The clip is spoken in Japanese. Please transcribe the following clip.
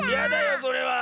それは。